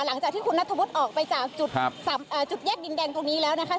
หลังจากที่คุณนัทธวุฒิออกไปจากจุดแยกดินแดงตรงนี้แล้วนะคะ